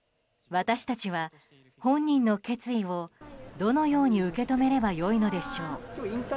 私たちは本人の決意をどのように受け止めれば良いのでしょう。